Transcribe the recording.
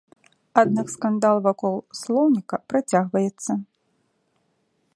Аднак скандал вакол слоўніка працягваецца.